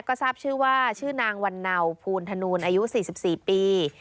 ก็ทราบชื่อว่าชื่อนางวันเนาภูณธนูลอายุ๔๔ปี